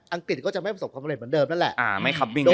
กฤษก็จะไม่ประสบความเร็เหมือนเดิมนั่นแหละ